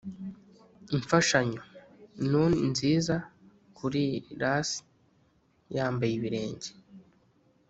imfashanyo, noon nziza, kuri lass yambaye ibirenge,